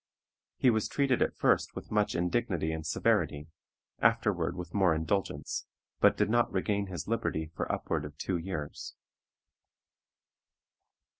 He was treated at first with much indignity and severity; afterward with more indulgence, but did not regain his liberty for upward of two years.